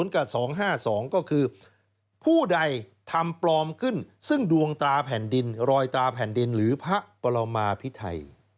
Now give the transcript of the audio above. กับ๒๕๒ก็คือผู้ใดทำปลอมขึ้นซึ่งดวงตาแผ่นดินรอยตราแผ่นดินหรือพระปรมาพิไทย